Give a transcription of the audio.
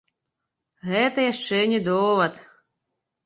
Гэта яшчэ не довад.